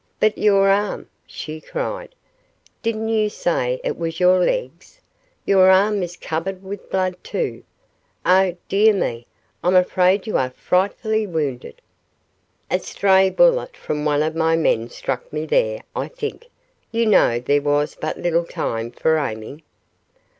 "But your arm?" she cried. "Didn't you say it was your legs? Your arm is covered with blood, too. Oh, dear me, I'm afraid you are frightfully wounded." "A stray bullet from one of my men struck me there, I think. You know there was but little time for aiming